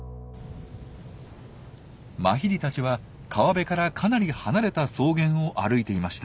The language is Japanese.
マヒリたちは川辺からかなり離れた草原を歩いていました。